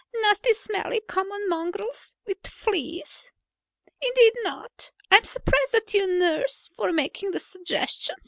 Nasty smelly common mongrels with fleas. Indeed not. I'm surprised at you, nurse, for making the suggestion."